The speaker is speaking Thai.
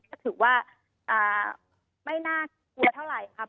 ก็ถือว่าไม่น่ากลัวเท่าไหร่ครับ